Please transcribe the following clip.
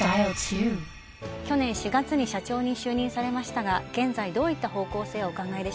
去年４月に社長に就任されましたが現在どういった方向性をお考えでしょうか？